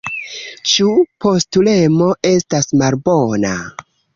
Ĉu postulemo estas malbona?